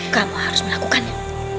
kamu harus melakukannya